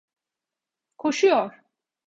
Koşuyor…